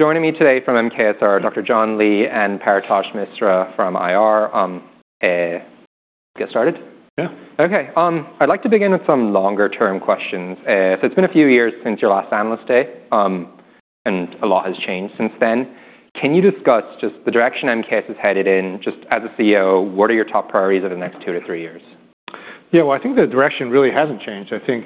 Joining me today from MKS are Dr. John Lee and Paretosh Misra from IR, get started? Yeah. Okay. I'd like to begin with some longer term questions. It's been a few years since your last analyst day, a lot has changed since then. Can you discuss just the direction MKS is headed in, just as a CEO, what are your top priorities over the next two to three years? Yeah. Well, I think the direction really hasn't changed. I think,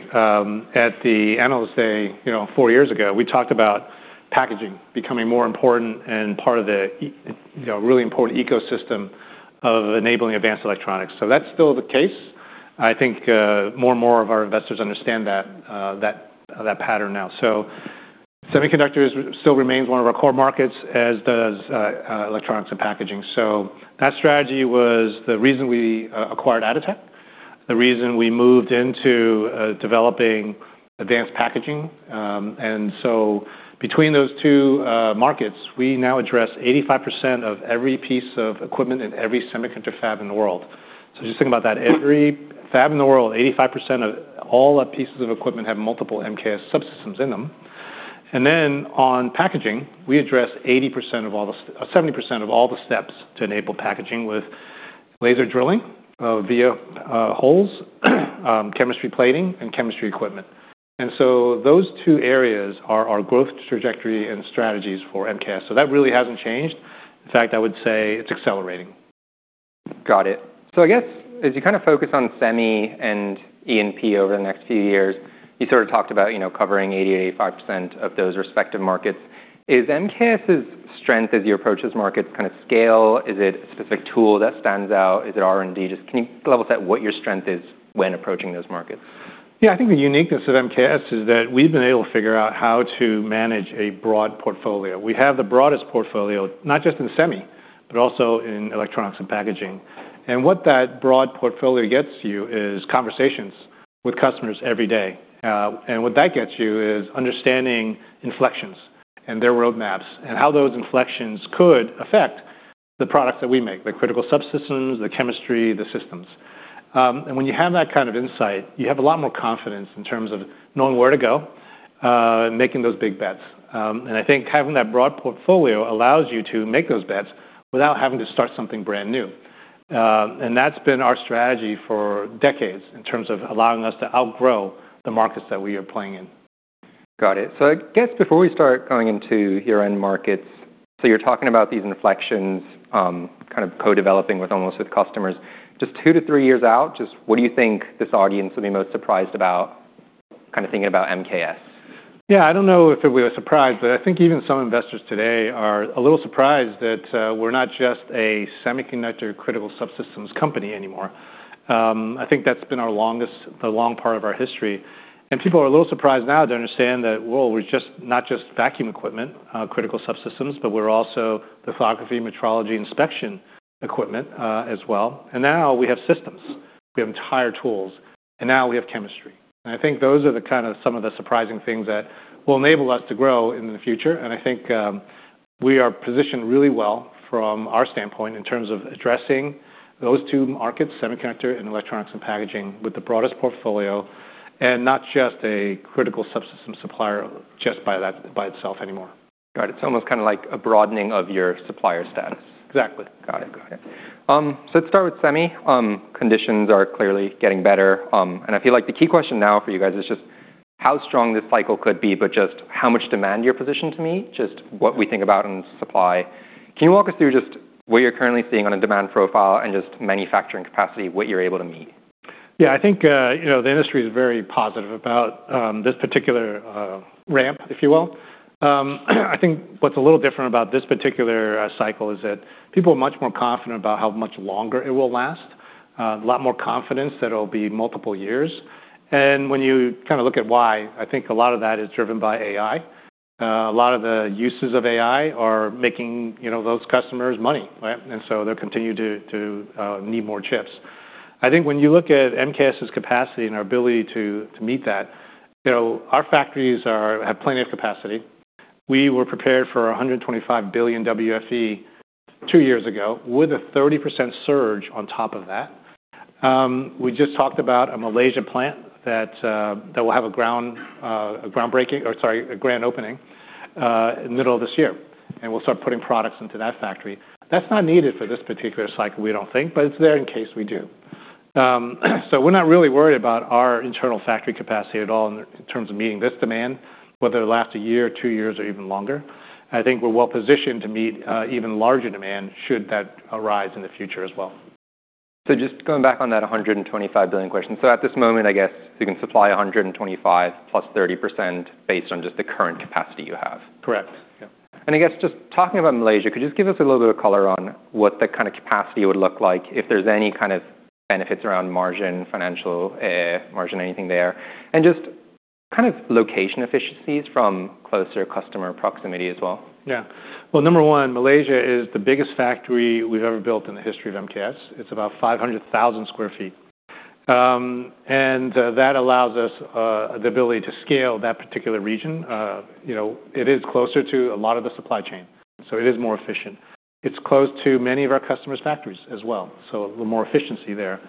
at the analyst day, you know, four years ago, we talked about packaging becoming more important and part of the you know, really important ecosystem of enabling advanced electronics. That's still the case. I think, more and more of our investors understand that pattern now. Semiconductors still remains one of our core markets, as does electronics and packaging. That strategy was the reason we acquired Atotech, the reason we moved into developing advanced packaging. Between those two markets, we now address 85% of every piece of equipment in every semiconductor fab in the world. Just think about that, every fab in the world, 85% of all the pieces of equipment have multiple MKS subsystems in them. On packaging, we address 70% of all the steps to enable packaging with laser drilling, via holes, chemistry plating and chemistry equipment. Those two areas are our growth trajectory and strategies for MKS. That really hasn't changed. In fact, I would say it's accelerating. Got it. I guess as you kind of focus on semi and E&P over the next few years, you sort of talked about, you know, covering 80%-85% of those respective markets. Is MKS's strength as you approach this market kind of scale? Is it a specific tool that stands out? Is it R&D? Just can you level set what your strength is when approaching those markets? I think the uniqueness of MKS is that we've been able to figure out how to manage a broad portfolio. We have the broadest portfolio, not just in semi, but also in electronics and packaging. What that broad portfolio gets you is conversations with customers every day. What that gets you is understanding inflections and their roadmaps and how those inflections could affect the products that we make, the critical subsystems, the chemistry, the systems. When you have that kind of insight, you have a lot more confidence in terms of knowing where to go, making those big bets. I think having that broad portfolio allows you to make those bets without having to start something brand new. That's been our strategy for decades in terms of allowing us to outgrow the markets that we are playing in. Got it. I guess before we start going into your end markets, so you're talking about these inflections, kind of co-developing with almost with customers. Just two to three years out, just what do you think this audience will be most surprised about kind of thinking about MKS? Yeah. I don't know if it was a surprise, but I think even some investors today are a little surprised that we're not just a semiconductor critical subsystems company anymore. I think that's been the long part of our history. People are a little surprised now to understand that, well, we're just not just vacuum equipment, critical subsystems, but we're also lithography, metrology, inspection equipment as well. Now we have systems, we have entire tools, and now we have chemistry. I think those are the kind of some of the surprising things that will enable us to grow in the future. I think, we are positioned really well from our standpoint in terms of addressing those two markets, semiconductor and electronics and packaging, with the broadest portfolio, and not just a critical subsystem supplier just by itself anymore. Got it. It's almost kind of like a broadening of your supplier status. Exactly. Got it. Got it. Let's start with semi. Conditions are clearly getting better. I feel like the key question now for you guys is just how strong this cycle could be, but just how much demand you're positioned to meet, just what we think about in supply. Can you walk us through just what you're currently seeing on a demand profile and just manufacturing capacity, what you're able to meet? Yeah. I think, you know, the industry is very positive about this particular ramp, if you will. I think what's a little different about this particular cycle is that people are much more confident about how much longer it will last, a lot more confidence that it'll be multiple years. When you kind of look at why, I think a lot of that is driven by AI. A lot of the uses of AI are making, you know, those customers money, right? They'll continue to need more chips. I think when you look at MKS's capacity and our ability to meet that, you know, our factories have plenty of capacity. We were prepared for $125 billion WFE two years ago with a 30% surge on top of that. We just talked about a Malaysia plant that will have a groundbreaking or, sorry, a grand opening in the middle of this year. We'll start putting products into that factory. That's not needed for this particular cycle, we don't think, but it's there in case we do. We're not really worried about our internal factory capacity at all in terms of meeting this demand, whether it lasts a year or two years or even longer. I think we're well-positioned to meet, even larger demand should that arise in the future as well. Just going back on that $125 billion question. At this moment, I guess you can supply $125 billion plus 30% based on just the current capacity you have. Correct. Yeah. I guess just talking about Malaysia, could you just give us a little bit of color on what the kind of capacity would look like, if there's any kind of benefits around margin, financial, margin, anything there, and just kind of location efficiencies from closer customer proximity as well? Yeah. Well, number one, Malaysia is the biggest factory we've ever built in the history of MKS. It's about 500,000 sq ft. That allows us the ability to scale that particular region. You know, it is closer to a lot of the supply chain, so it is more efficient. It's close to many of our customers' factories as well, so a little more efficiency there.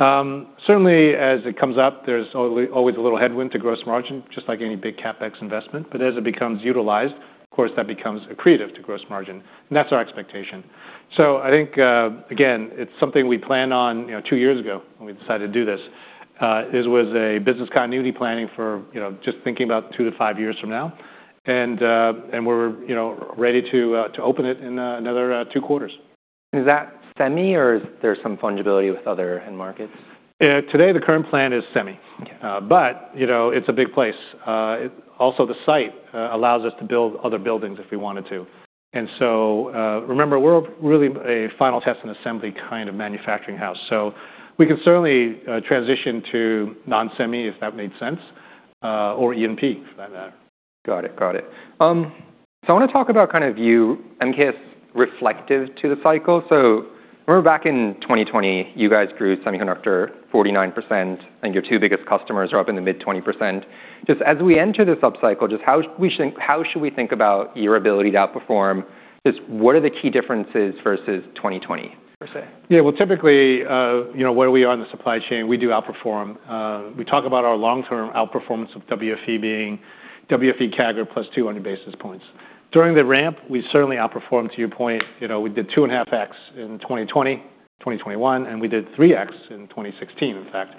Certainly as it comes up, there's always a little headwind to gross margin, just like any big CapEx investment. As it becomes utilized, of course, that becomes accretive to gross margin, and that's our expectation. I think, again, it's something we planned on, you know, two years ago when we decided to do this was a business continuity planning for, you know, just thinking about two to five years from now. We're, you know, ready to open it in another two quarters. Is that semi or is there some fungibility with other end markets? Yeah, today the current plan is semi. Okay. You know, it's a big place. Also the site allows us to build other buildings if we wanted to. Remember, we're really a final test and assembly kind of manufacturing house. We can certainly transition to non-semi if that made sense, or E&P for that matter. Got it. Got it. I want to talk about kind of you, MKS, reflective to the cycle. We're back in 2020, you guys grew semiconductor 49%, your two biggest customers are up in the mid-20%. Just as we enter this upcycle, just how should we think about your ability to outperform? Just what are the key differences versus 2020, per se? Well, typically, you know, where we are in the supply chain, we do outperform. We talk about our long-term outperformance of WFE being WFE CAGR plus 200 basis points. During the ramp, we certainly outperformed, to your point. You know, we did 2.5x in 2020, 2021, and we did 3x in 2016, in fact.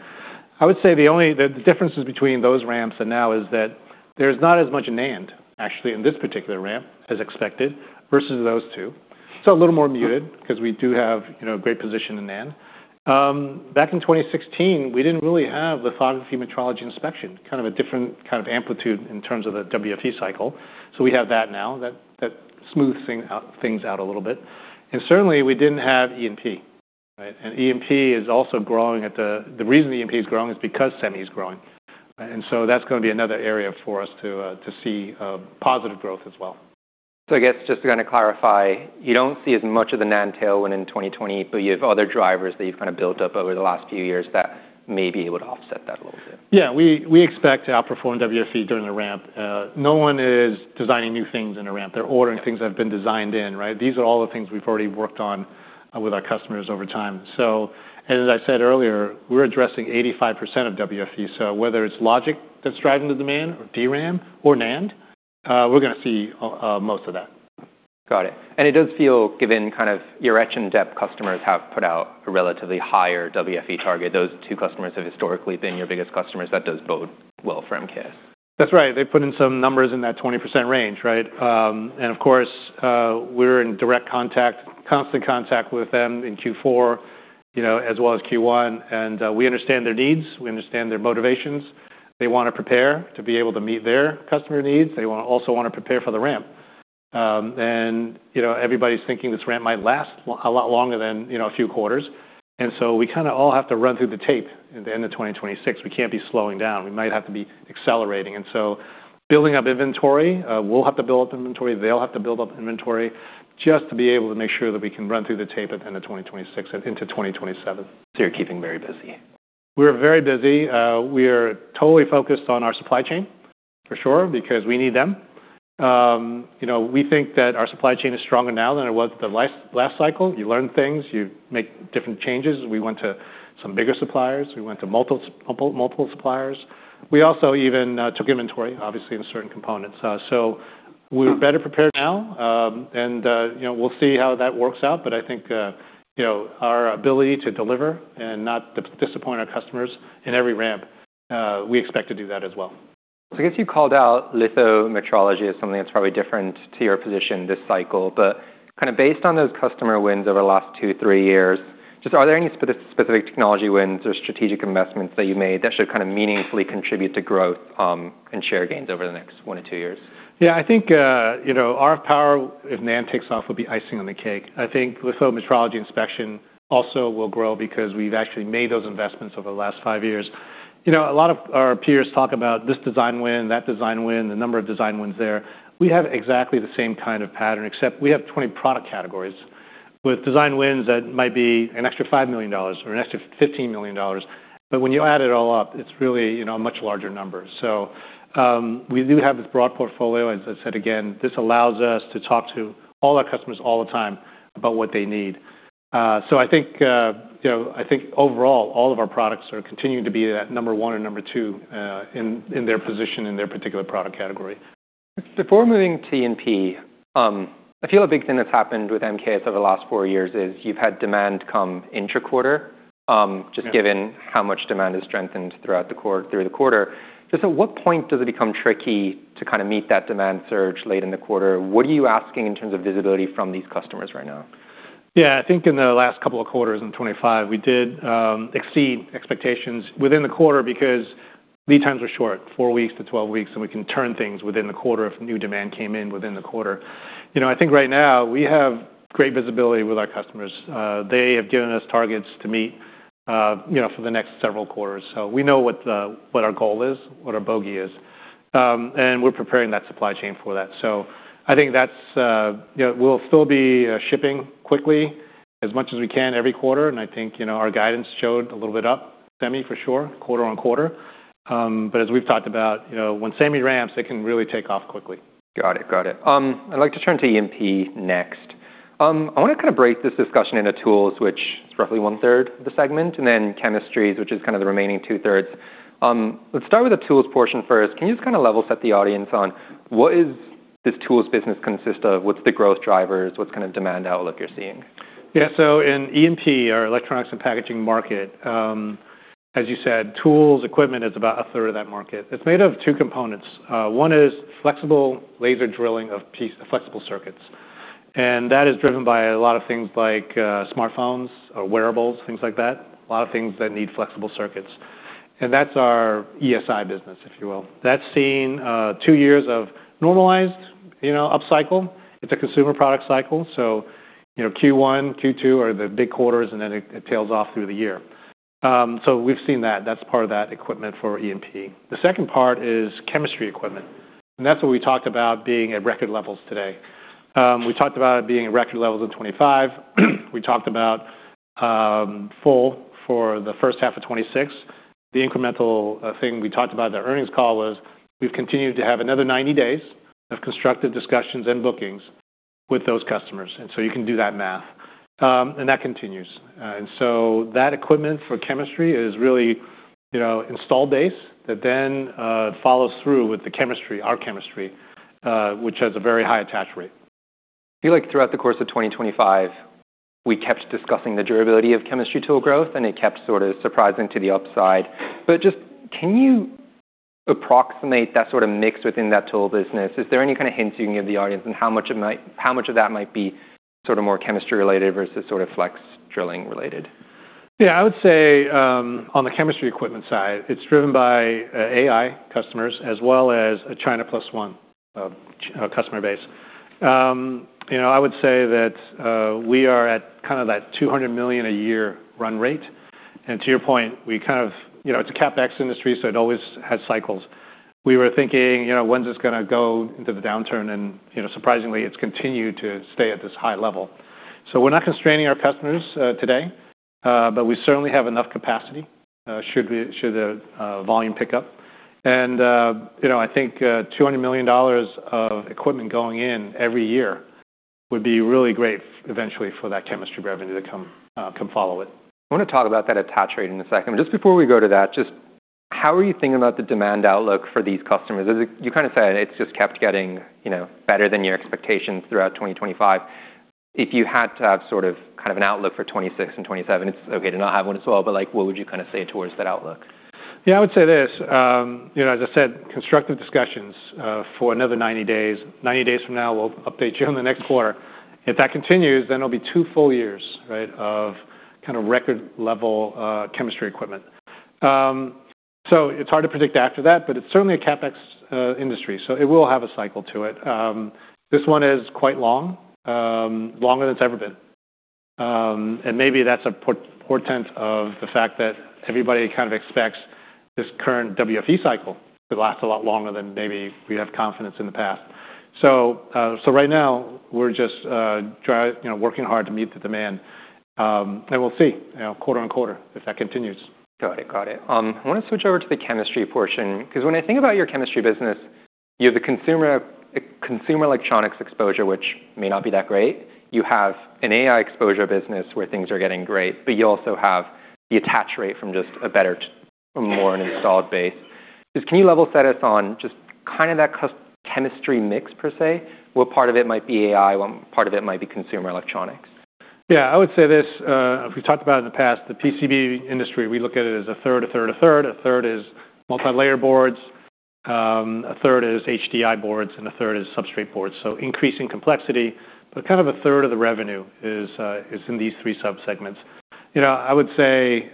I would say the only differences between those ramps and now is that there's not as much NAND actually in this particular ramp as expected versus those two. A little more muted 'cause we do have, you know, great position in NAND. Back in 2016, we didn't really have the photolithography metrology inspection, kind of a different kind of amplitude in terms of the WFE cycle. We have that now. That smooth things out a little bit. Certainly we didn't have E&P, right? E&P is also growing. The reason E&P is growing is because semi is growing. That's gonna be another area for us to to see positive growth as well. I guess just to kinda clarify, you don't see as much of the NAND tailwind in 2020, but you have other drivers that you've kinda built up over the last few years that may be able to offset that a little bit. Yeah, we expect to outperform WFE during the ramp. No one is designing new things in a ramp. They're ordering things that have been designed in, right? These are all the things we've already worked on with our customers over time. As I said earlier, we're addressing 85% of WFE. Whether it's logic that's driving the demand or DRAM or NAND, we're gonna see most of that. Got it. It does feel given kind of your breadth and depth customers have put out a relatively higher WFE target. Those two customers have historically been your biggest customers. That does bode well for MKS. That's right. They put in some numbers in that 20% range, right? Of course, we're in direct contact, constant contact with them in Q4, you know, as well as Q1, we understand their needs, we understand their motivations. They wanna prepare to be able to meet their customer needs. They also wanna prepare for the ramp. Everybody's thinking this ramp might last a lot longer than, you know, a few quarters. We kinda all have to run through the tape at the end of 2026. We can't be slowing down. We might have to be accelerating. Building up inventory, we'll have to build up inventory, they'll have to build up inventory just to be able to make sure that we can run through the tape at the end of 2026 into 2027. You're keeping very busy. We're very busy. We are totally focused on our supply chain, for sure, because we need them. You know, we think that our supply chain is stronger now than it was the last cycle. You learn things, you make different changes. We went to some bigger suppliers. We went to multiple suppliers. We also even, took inventory, obviously, in certain components. So we're better prepared now, and, you know, we'll see how that works out. I think, you know, our ability to deliver and not disappoint our customers in every ramp, we expect to do that as well. I guess you called out litho metrology as something that's probably different to your position this cycle, but kinda based on those customer wins over the last two, three years, just are there any specific technology wins or strategic investments that you made that should kinda meaningfully contribute to growth and share gains over the next one to two years? Yeah, I think, you know, RF power, if NAND takes off, will be icing on the cake. I think litho metrology inspection also will grow because we've actually made those investments over the last 5 years. You know, a lot of our peers talk about this design win, that design win, the number of design wins there. We have exactly the same kind of pattern, except we have 20 product categories. With design wins, that might be an extra $5 million or an extra $15 million. When you add it all up, it's really, you know, much larger numbers. We do have this broad portfolio. As I said again, this allows us to talk to all our customers all the time about what they need. I think, you know, I think overall, all of our products are continuing to be that number one or number two, in their position in their particular product category. Before moving to E&P, I feel a big thing that's happened with MKS over the last four years is you've had demand come intra-quarter. Yeah... just given how much demand has strengthened throughout the quarter. Just at what point does it become tricky to kinda meet that demand surge late in the quarter? What are you asking in terms of visibility from these customers right now? Yeah. I think in the last couple of quarters in 2025, we did exceed expectations within the quarter because lead times are short, four weeks to 12 weeks, and we can turn things within the quarter if new demand came in within the quarter. You know, I think right now we have great visibility with our customers. They have given us targets to meet, you know, for the next several quarters. We know what our goal is, what our bogey is. We're preparing that supply chain for that. I think that's, you know, we'll still be shipping quickly as much as we can every quarter, and I think, you know, our guidance showed a little bit up, semi for sure, quarter-on-quarter. As we've talked about, you know, when semi ramps, it can really take off quickly. Got it. Got it. I'd like to turn to E&P next. I want to kind of break this discussion into tools, which is roughly 1/3 of the segment, and then chemistries, which is kind of the remaining 2/3. Let's start with the tools portion first. Can you just kind of level set the audience on what is this tools business consist of? What's the growth drivers? What's kind of demand outlook you're seeing? Yeah. In E&P, our electronics and packaging market, as you said, tools, equipment is about a third of that market. It's made of two components. One is flexible laser drilling of flexible circuits. That is driven by a lot of things like smartphones or wearables, things like that. A lot of things that need flexible circuits. That's our ESI business, if you will. That's seen two years of normalized, you know, upcycle. It's a consumer product cycle, so, you know, Q1, Q2 are the big quarters, and then it tails off through the year. We've seen that. That's part of that equipment for E&P. The second part is chemistry equipment, and that's what we talked about being at record levels today. We talked about it being at record levels in 2025. We talked about, full for the first half of 2026. The incremental thing we talked about at the earnings call was we've continued to have another 90 days of constructive discussions and bookings with those customers. You can do that math. That continues. That equipment for chemistry is really, you know, installed base that then follows through with the chemistry, our chemistry, which has a very high attach rate. I feel like throughout the course of 2025, we kept discussing the durability of chemistry tool growth. It kept sort of surprising to the upside. Just can you approximate that sort of mix within that tool business? Is there any kind of hints you can give the audience on how much of that might be sort of more chemistry related versus sort of flex drilling related? Yeah. I would say, on the chemistry equipment side, it's driven by AI customers as well as a China plus one customer base. You know, I would say that we are at kind of that $200 million a year run rate. To your point, we kind of... You know, it's a CapEx industry, so it always has cycles. We were thinking, you know, when's this gonna go into the downturn? Surprisingly, it's continued to stay at this high level. We're not constraining our customers today, but we certainly have enough capacity should the volume pick up. I think $200 million of equipment going in every year would be really great eventually for that chemistry revenue to come follow it. I wanna talk about that attach rate in a second. Just before we go to that, just how are you thinking about the demand outlook for these customers? You kind of said it's just kept getting, you know, better than your expectations throughout 2025. If you had to have sort of, kind of an outlook for 2026 and 2027, it's okay to not have one at all, but, like, what would you kind of say towards that outlook? Yeah, I would say this. you know, as I said, constructive discussions for another 90 days. 90 days from now, we'll update you on the next quarter. If that continues, then it'll be two full-years, right, of kind of record level chemistry equipment. It's hard to predict after that, but it's certainly a CapEx industry, so it will have a cycle to it. This one is quite long, longer than it's ever been. And maybe that's a portent of the fact that everybody kind of expects this current WFE cycle to last a lot longer than maybe we'd have confidence in the past. Right now we're just, you know, working hard to meet the demand. And we'll see, you know, quarter on quarter if that continues. Got it. Got it. I wanna switch over to the chemistry portion, 'cause when I think about your chemistry business, you have the consumer electronics exposure, which may not be that great. You have an AI exposure business where things are getting great, but you also have the attach rate from just a more installed base. Just can you level set us on just kind of that chemistry mix per se, what part of it might be AI, what part of it might be consumer electronics? Yeah. I would say this. We've talked about it in the past. The PCB industry, we look at it as a third, a third, a third. A third is multi-layer boards, a third is HDI boards, and a third is substrate boards. Increasing complexity, but kind of a third of the revenue is in these three sub-segments. You know, I would say,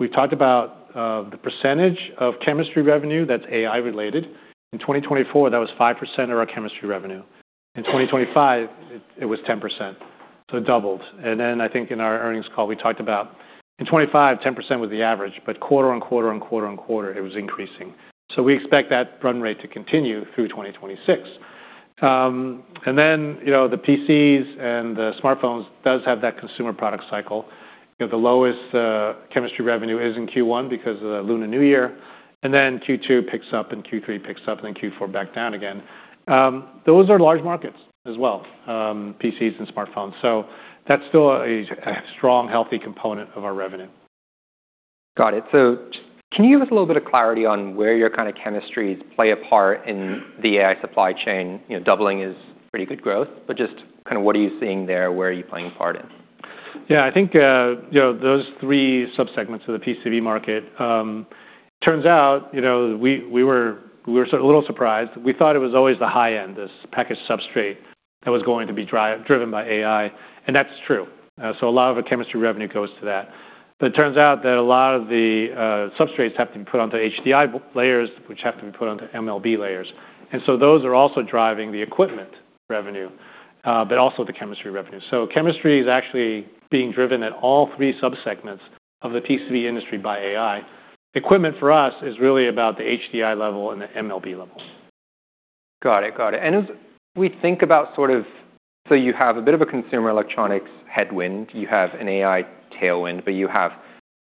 we've talked about the percentage of chemistry revenue that's AI related. In 2024, that was 5% of our chemistry revenue. In 2025, it was 10%. It doubled. I think in our earnings call, we talked about in 2025, 10% was the average, but quarter on quarter on quarter on quarter it was increasing. We expect that run rate to continue through 2026. You know, the PCs and the smartphones does have that consumer product cycle. You know, the lowest chemistry revenue is in Q1 because of the Lunar New Year, and then Q2 picks up, and Q3 picks up, and then Q4 back down again. Those are large markets as well, PCs and smartphones. That's still a strong, healthy component of our revenue. Got it. Can you give us a little bit of clarity on where your kind of chemistries play a part in the AI supply chain? You know, doubling is pretty good growth, but just kind of what are you seeing there? Where are you playing a part in? Yeah. I think, you know, those three sub-segments of the PCB market, turns out, you know, we were sort of a little surprised. We thought it was always the high end, this packaged substrate that was going to be driven by AI, and that's true. So a lot of the chemistry revenue goes to that. It turns out that a lot of the substrates have to be put onto HDI layers, which have to be put onto MLB layers. Those are also driving the equipment revenue, but also the chemistry revenue. Chemistry is actually being driven at all three sub-segments of the PCB industry by AI. Equipment for us is really about the HDI level and the MLB level. Got it. Got it. As we think about sort of, you have a bit of a consumer electronics headwind, you have an AI tailwind, but you have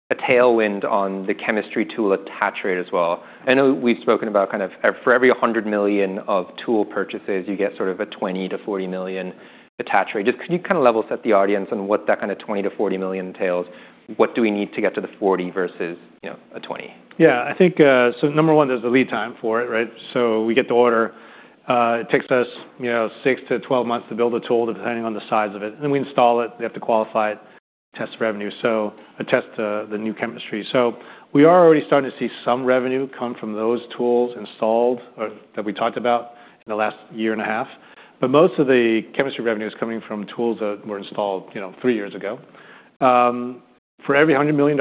a tailwind on the chemistry tool attach rate as well. I know we've spoken about kind of for every $100 million of tool purchases, you get sort of a $20 million-$40 million attach rate. Just can you kind of level set the audience on what that kind of $20 million-$40 million entails? What do we need to get to the $40 million versus, you know, a $20 million? Yeah. I think, number one, there's the lead time for it, right? We get the order, it takes us, you know, six to 12 months to build a tool, depending on the size of it, then we install it, we have to qualify it, test revenue. Test the new chemistry. We are already starting to see some revenue come from those tools installed or that we talked about in the last year and a half. Most of the chemistry revenue is coming from tools that were installed, you know, three years ago. For every $100 million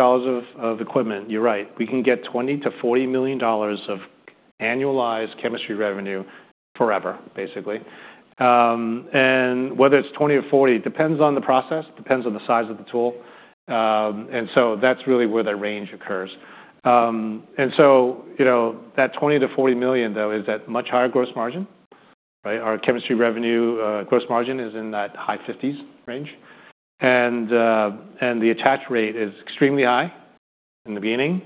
of equipment, you're right, we can get $20 million-$40 million of annualized chemistry revenue forever, basically. Whether it's $20 million or $40 million, it depends on the process, depends on the size of the tool. That's really where that range occurs. You know, that $20 million-$40 million though is at much higher gross margin, right? Our chemistry revenue, gross margin is in that high 50s range. The attach rate is extremely high in the beginning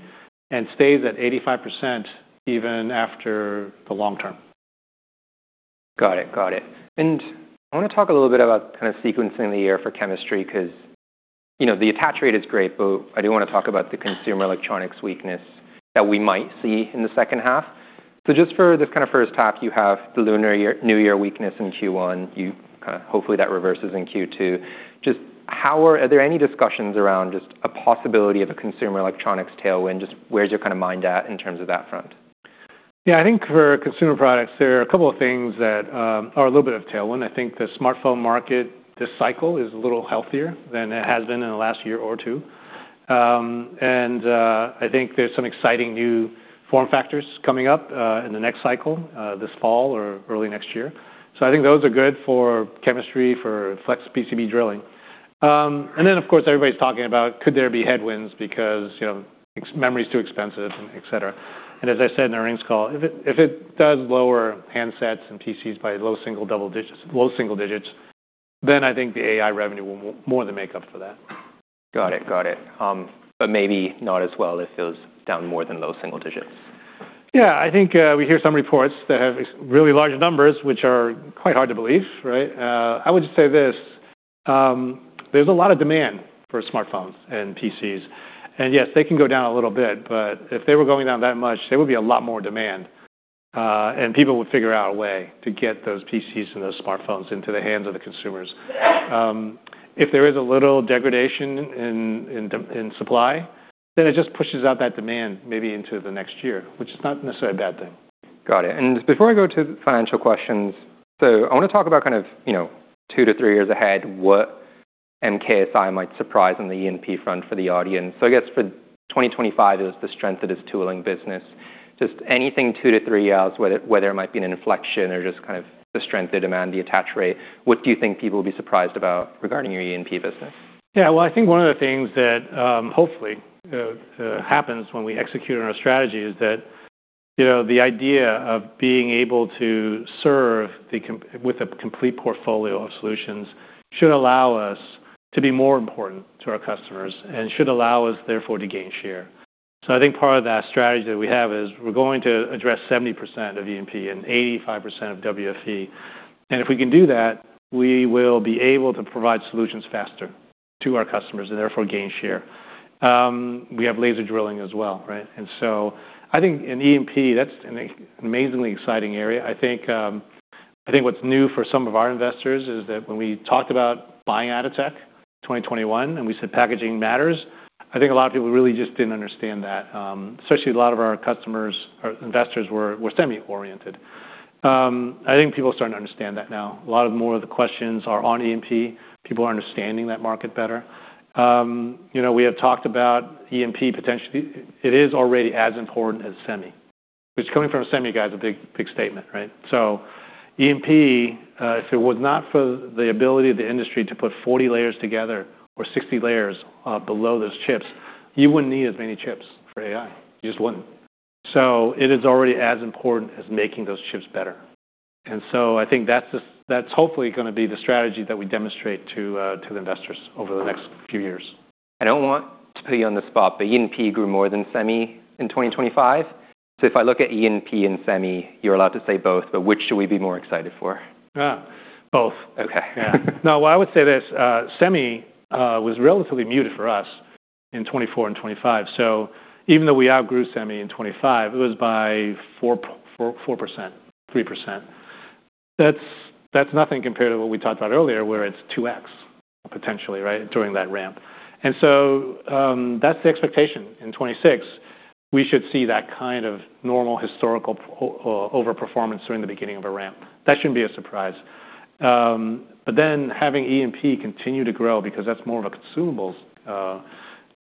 and stays at 85% even after the long term. Got it. Got it. I wanna talk a little bit about kind of sequencing the year for chemistry because, you know, the attach rate is great, I do wanna talk about the consumer electronics weakness that we might see in the second half. Just for this kind of first half, you have the Lunar New Year weakness in Q1. You kind of hopefully that reverses in Q2. Are there any discussions around just a possibility of a consumer electronics tailwind? Just where's your kind of mind at in terms of that front? I think for consumer products, there are a couple of things that are a little bit of tailwind. I think the smartphone market this cycle is a little healthier than it has been in the last year or two. I think there's some exciting new form factors coming up in the next cycle this fall or early next year. I think those are good for chemistry, for flex PCB drilling. Then of course, everybody's talking about could there be headwinds because, you know, memory is too expensive, et cetera. As I said in the earnings call, if it does lower handsets and PCs by low single, double digits, low single digits, then I think the AI revenue will more than make up for that. Got it. Got it. maybe not as well if it was down more than low single digits. Yeah. I think, we hear some reports that have really large numbers, which are quite hard to believe, right? I would just say this, there's a lot of demand for smartphones and PCs, yes, they can go down a little bit, but if they were going down that much, there would be a lot more demand, and people would figure out a way to get those PCs and those smartphones into the hands of the consumers. If there is a little degradation in supply, then it just pushes out that demand maybe into the next year, which is not necessarily a bad thing. Got it. Before I go to financial questions, I wanna talk about kind of, you know, two to three years ahead, what MKS might surprise on the E&P front for the audience. I guess for 2025, it was the strength of this tooling business. Anything two to three years, whether it might be an inflection or just kind of the strength, the demand, the attach rate, what do you think people will be surprised about regarding your E&P business? Yeah. Well, I think one of the things that, hopefully, happens when we execute on our strategy is that, you know, the idea of being able to serve the with a complete portfolio of solutions should allow us to be more important to our customers and should allow us, therefore, to gain share. I think part of that strategy that we have is we're going to address 70% of E&P and 85% of WFE. If we can do that, we will be able to provide solutions faster to our customers, and therefore gain share. We have laser drilling as well, right? I think in E&P, that's an amazingly exciting area. I think, I think what's new for some of our investors is that when we talked about buying Atotech, 2021, and we said packaging matters, I think a lot of people really just didn't understand that, especially a lot of our customers or investors were semi-oriented. I think people are starting to understand that now. A lot of more of the questions are on E&P. People are understanding that market better. you know, we have talked about E&P potentially. It is already as important as semi, which coming from a semi guy is a big statement, right? E&P, if it was not for the ability of the industry to put 40 layers together or 60 layers, below those chips, you wouldn't need as many chips for AI. You just wouldn't. It is already as important as making those chips better. I think that's the, that's hopefully gonna be the strategy that we demonstrate to the investors over the next few years. I don't want to put you on the spot, E&P grew more than semi in 2025. If I look at E&P and semi, you're allowed to say both, but which should we be more excited for? both. Okay. No, I would say this, semi was relatively muted for us in 2024 and 2025. Even though we outgrew semi in 2025, it was by 4%, 3%. That's nothing compared to what we talked about earlier, where it's 2x potentially, right, during that ramp. That's the expectation. In 2026, we should see that kind of normal historical overperformance during the beginning of a ramp. That shouldn't be a surprise. Having E&P continue to grow because that's more of a consumables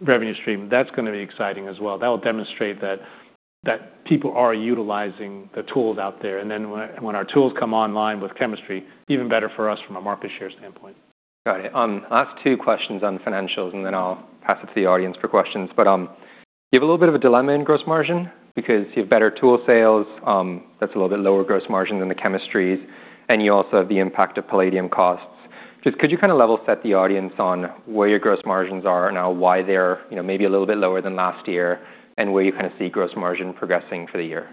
revenue stream, that's gonna be exciting as well. That will demonstrate that people are utilizing the tools out there. When our tools come online with chemistry, even better for us from a market share standpoint. Got it. Last two questions on financials, and then I'll pass it to the audience for questions. You have a little bit of a dilemma in gross margin because you have better tool sales, that's a little bit lower gross margin than the chemistries, and you also have the impact of palladium costs. Just could you kind of level set the audience on where your gross margins are now, why they're, you know, maybe a little bit lower than last year, and where you kind of see gross margin progressing for the year?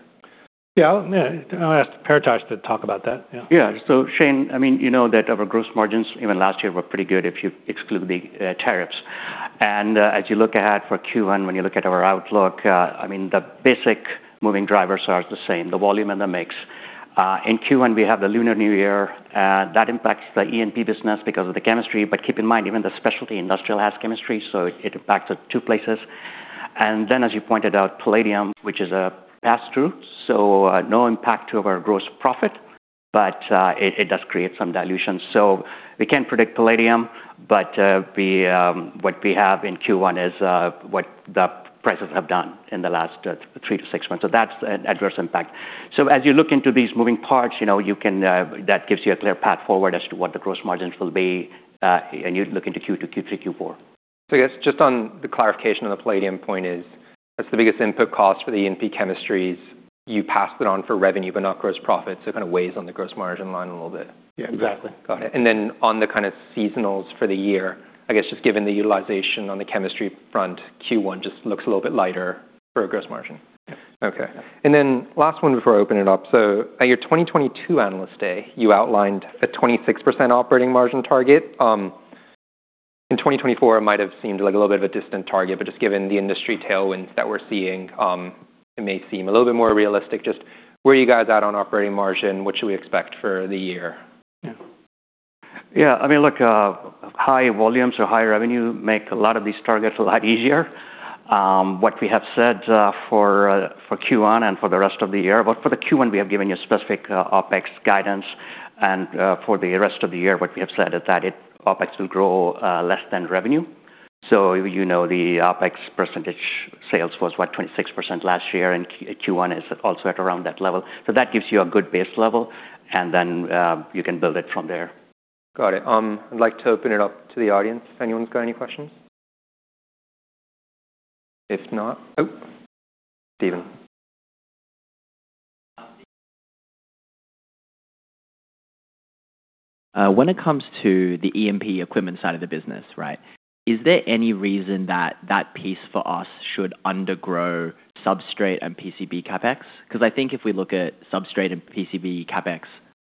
Yeah. I'll ask Paretosh to talk about that. Yeah. Yeah. Shane, I mean, you know that our gross margins even last year were pretty good if you exclude the tariffs. As you look ahead for Q1, when you look at our outlook, I mean, the basic moving drivers are the same, the volume and the mix. In Q1, we have the Lunar New Year, that impacts the E&P business because of the chemistry, but keep in mind, even the specialty industrial has chemistry, so it impacts at two places. As you pointed out, palladium, which is a pass-through, no impact to our gross profit, but it does create some dilution. We can't predict palladium, but we what we have in Q1 is what the prices have done in the last three to six months. That's an adverse impact. As you look into these moving parts, you know, you can, that gives you a clear path forward as to what the gross margins will be, and you look into Q2, Q3, Q4. I guess just on the clarification on the palladium point is that's the biggest input cost for the E&P chemistries. You pass it on for revenue but not gross profit, so it kind of weighs on the gross margin line a little bit. Yeah. Exactly. Got it. On the kind of seasonals for the year, I guess just given the utilization on the chemistry front, Q1 just looks a little bit lighter for gross margin. Yeah. Okay. Last one before I open it up. At your 2022 Analyst Day, you outlined a 26% operating margin target. In 2024, it might have seemed like a little bit of a distant target, but just given the industry tailwinds that we're seeing, it may seem a little bit more realistic. Just where are you guys at on operating margin? What should we expect for the year? Yeah. I mean, look, high volumes or high revenue make a lot of these targets a lot easier. What we have said for for Q1 and for the rest of the year, but for the Q1, we have given you specific OpEx guidance, and for the rest of the year, what we have said is that OpEx will grow less than revenue. You know the OpEx percentage sales was, what, 26% last year, and Q1 is also at around that level. That gives you a good base level, and then you can build it from there. Got it. I'd like to open it up to the audience if anyone's got any questions. Oh, Steven. When it comes to the E&P equipment side of the business, right, is there any reason that that piece for us should undergrow substrate and PCB CapEx? I think if we look at substrate and PCB CapEx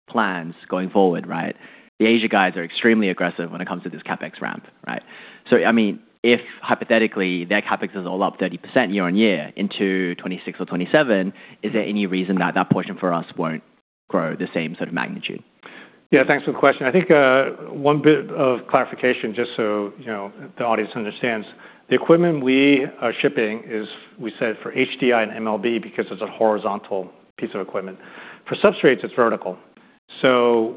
plans going forward, right, the Asia guys are extremely aggressive when it comes to this CapEx ramp, right? I mean, if hypothetically their CapEx is all up 30% year-on-year into 2026 or 2027, is there any reason that that portion for us won't grow the same sort of magnitude? Yeah. Thanks for the question. I think, one bit of clarification, just so, you know, the audience understands. The equipment we are shipping is, we said, for HDI and MLB because it's a horizontal piece of equipment. For substrates, it's vertical.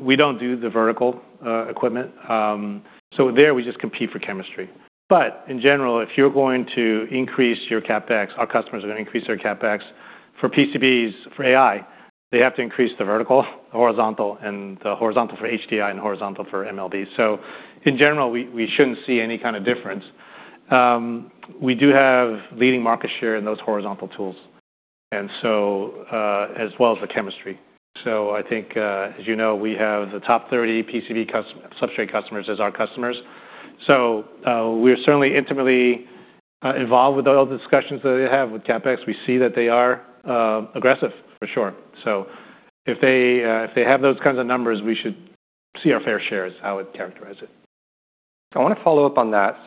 We don't do the vertical equipment, so there we just compete for chemistry. In general, if you're going to increase your CapEx, our customers are gonna increase their CapEx. For PCBs, for AI, they have to increase the vertical, the horizontal, and the horizontal for HDI and horizontal for MLB. In general, we shouldn't see any kind of difference. We do have leading market share in those horizontal tools, and so, as well as the chemistry. I think, as you know, we have the top 30 PCB substrate customers as our customers. We're certainly intimately involved with all the discussions that they have with CapEx. We see that they are aggressive, for sure. If they, if they have those kinds of numbers, we should see our fair share, is how I'd characterize it. I wanna follow up on that.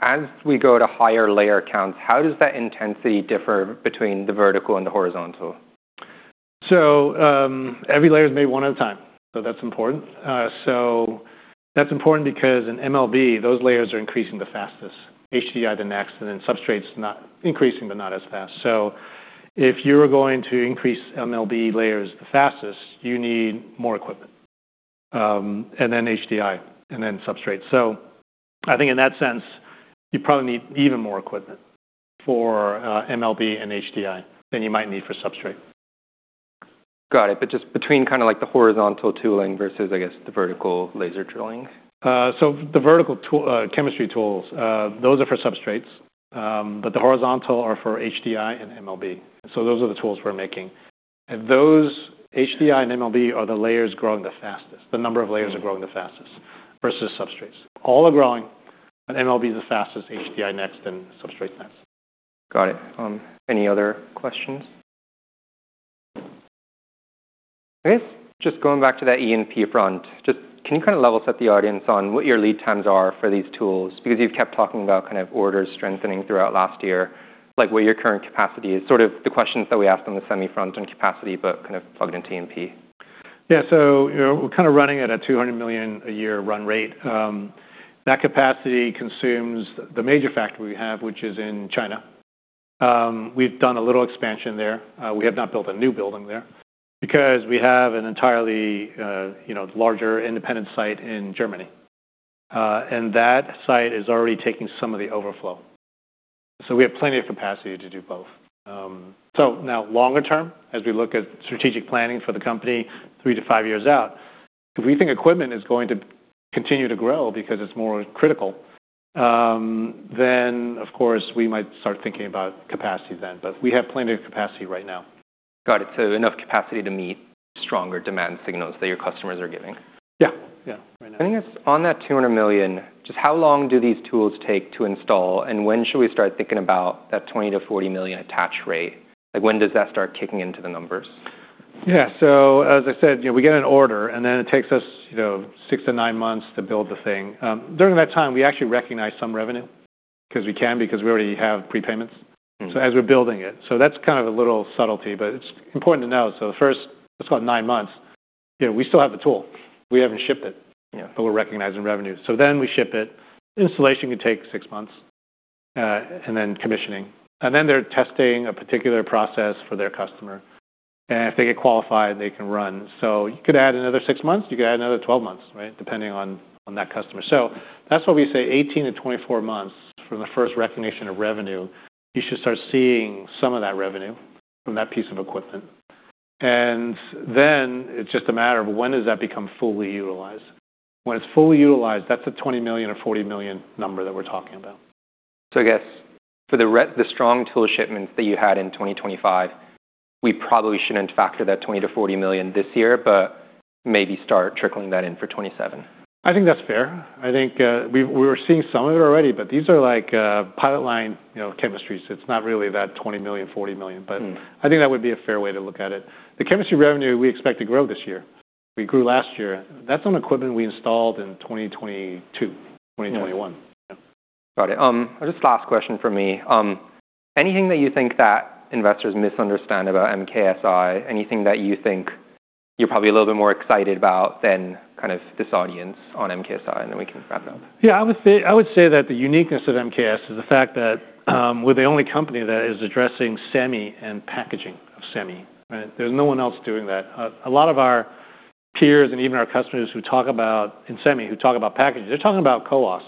As we go to higher layer counts, how does that intensity differ between the vertical and the horizontal? Every layer is made one at a time, so that's important. That's important because in MLB, those layers are increasing the fastest. HDI the next, and then substrate's not increasing, but not as fast. If you're going to increase MLB layers the fastest, you need more equipment, and then HDI, and then substrate. I think in that sense, you probably need even more equipment for MLB and HDI than you might need for substrate. Got it. Just between kinda like the horizontal tooling versus, I guess, the vertical laser drilling. The vertical chemistry tools, those are for substrates, but the horizontal are for HDI and MLB. Those are the tools we're making. Those, HDI and MLB, are the layers growing the fastest, the number of layers are growing the fastest versus substrates. All are growing, but MLB is the fastest, HDI next, then substrate next. Got it. Any other questions? I guess just going back to that E&P front, just can you kind of level set the audience on what your lead times are for these tools? Because you've kept talking about kind of orders strengthening throughout last year, like what your current capacity is, sort of the questions that we asked on the semi front and capacity, but kind of plugged into E&P. Yeah. you know, we're kinda running at a $200 million a year run rate. That capacity consumes the major factory we have, which is in China. We've done a little expansion there. We have not built a new building there because we have an entirely, you know, larger independent site in Germany, and that site is already taking some of the overflow. We have plenty of capacity to do both. Now longer term, as we look at strategic planning for the company three to five years out. If we think equipment is going to continue to grow because it's more critical, then of course we might start thinking about capacity then. We have plenty of capacity right now. Got it. Enough capacity to meet stronger demand signals that your customers are giving. Yeah. Yeah. I think it's on that $200 million, just how long do these tools take to install and when should we start thinking about that $20 million-$40 million attach rate? Like, when does that start kicking into the numbers? Yeah. As I said, you know, we get an order and then it takes us, you know, six to nine months to build the thing. During that time, we actually recognize some revenue 'cause we can, because we already have prepayments. Mm-hmm. As we're building it. That's kind of a little subtlety, but it's important to know. The first, let's call it nine months, you know, we still have the tool. We haven't shipped it. Yeah. We're recognizing revenue. We ship it. Installation can take six months, and then commissioning, and then they're testing a particular process for their customer. If they get qualified, they can run. You could add another six months, you could add another 12 months, right? Depending on that customer. That's why we say 18-24 months from the first recognition of revenue, you should start seeing some of that revenue from that piece of equipment. Then it's just a matter of when does that become fully utilized. When it's fully utilized, that's a $20 million or $40 million number that we're talking about. I guess for the strong tool shipments that you had in 2025, we probably shouldn't factor that $20 million-$40 million this year, but maybe start trickling that in for 2027. I think that's fair. I think, we were seeing some of it already, but these are like, pilot line, you know, chemistries. It's not really that $20 million, $40 million. Mm-hmm. I think that would be a fair way to look at it. The chemistry revenue we expect to grow this year. We grew last year. That's on equipment we installed in 2022. Yeah. 2021. Got it. Just last question from me. Anything that you think that investors misunderstand about MKS? Anything that you think you're probably a little bit more excited about than kind of this audience on MKS, and then we can wrap up? Yeah. I would say that the uniqueness of MKSI is the fact that we're the only company that is addressing semi and packaging of semi, right? There's no one else doing that. A lot of our peers and even our customers who talk about, in semi, who talk about packaging, they're talking about CoWoS.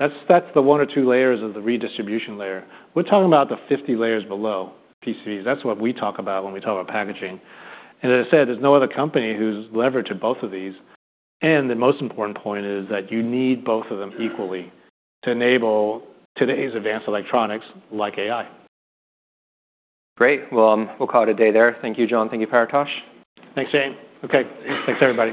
That's the one or two layers of the redistribution layer. We're talking about the 50 layers below PCB. That's what we talk about when we talk about packaging. As I said, there's no other company who's leveraged in both of these. The most important point is that you need both of them equally to enable today's advanced electronics like AI. Great. Well, we'll call it a day there. Thank you, John. Thank you, Paretosh. Thanks, Shane. Okay. Thanks, everybody.